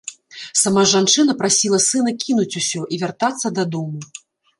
Сама жанчына прасіла сына кінуць усё і вяртацца дадому.